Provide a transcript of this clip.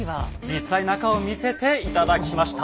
実際中を見せて頂きました。